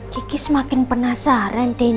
kiki semakin penasaran deh